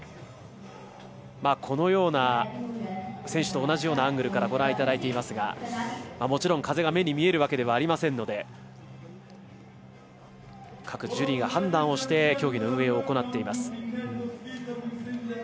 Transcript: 選手と同じようなアングルからご覧いただいていますがもちろん風が目に見えるわけではありませんので各ジュリーが判断をして競技の運営を行っています。